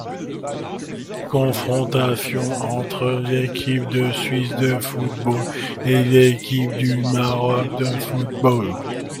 Confrontations entre l'équipe de Suisse de football et l'équipe du Maroc de football.